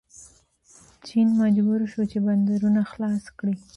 چین مجبور شو چې بندرونه خلاص کړي.